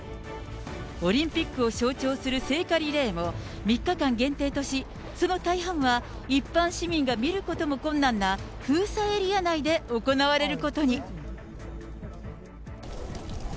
オリンピックを象徴する聖火リレーも３日間限定とし、その大半は一般市民が見ることも困難な封鎖エリア内で行われることに。